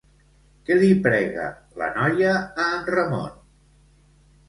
Què li prega, la noia, a en Ramon?